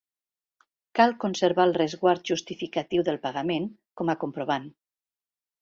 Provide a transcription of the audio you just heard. Cal conservar el resguard justificatiu del pagament com a comprovant.